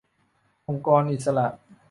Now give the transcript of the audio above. องค์กรอิสระ